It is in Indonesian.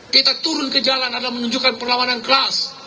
kita turun ke jalan adalah menunjukkan perlawanan kelas